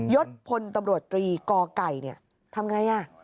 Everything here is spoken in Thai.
ยศพลตำรวจตรีกไก่เนี่ยทำไงอ่ะ